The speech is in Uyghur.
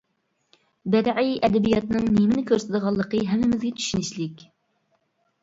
بەدىئىي ئەدەبىياتنىڭ نېمىنى كۆرسىتىدىغانلىقى ھەممىمىزگە چۈشىنىشلىك.